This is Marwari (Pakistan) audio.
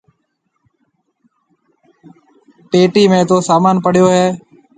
پيٽِي ۾ تو سامان ڀروڙو هيَ۔